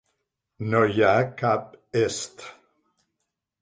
No hi ha cap est.